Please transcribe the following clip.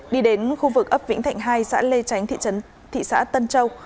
đi đến khu vực ấp vĩnh thạnh hai xã lê tránh thị xã tân châu